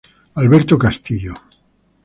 Alberto Castillo